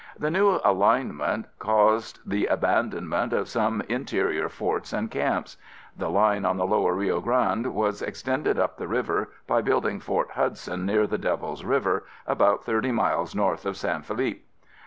The new alignment caused the abandonment of some interior forts and camps. The line on the lower Rio Grande was extended up the river by building Fort Hudson near the Devil's River, about thirty miles north of San Felipe.